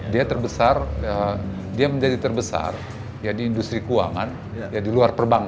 dia terbesar dia menjadi terbesar ya di industri keuangan di luar perbankan